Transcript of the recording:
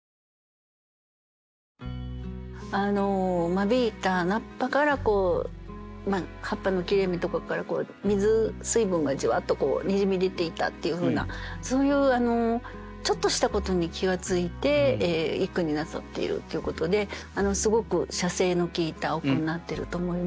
間引いた菜っ葉から葉っぱの切れ目とかから水分がじわっとにじみ出ていたっていうふうなそういうちょっとしたことに気が付いて一句になさっているということですごく写生の効いたお句になってると思います。